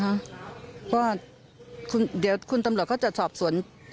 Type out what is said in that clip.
เพราะว่าคุณจะคุณตำรวจจะสอบสวน